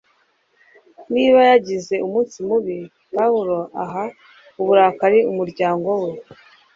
Niba yagize umunsi mubi, Pawulo aha uburakari umuryango we